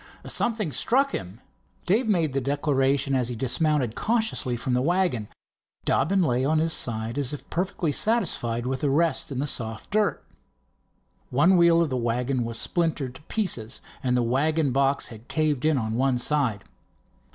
"Something struck him." Dave made the declaration as he dismounted cautiously from the wagon. Dobbin lay on his side as if perfectly satisfied with a rest in the soft dirt. One wheel of the wagon was splintered to pieces and the wagon box had caved in on one side.